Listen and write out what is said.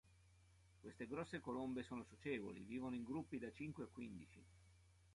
Queste grosse colombe sono socievoli; vivono in gruppi da cinque a quindici.